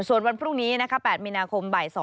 ส่วนวันพรุ่งนี้๘มีนาคมบ่าย๒